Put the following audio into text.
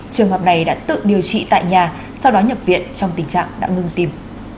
trường hợp này đã tự điều trị tại nhà sau đó nhập viện trong tình trạng đã ngưng tim